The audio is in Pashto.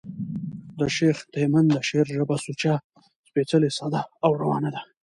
د شېخ تیمن د شعر ژبه سوچه، سپېڅلې، ساده او روانه ده.